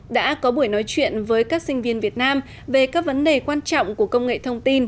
đã có buổi nói chuyện với các sinh viên việt nam về các vấn đề quan trọng của công nghệ thông tin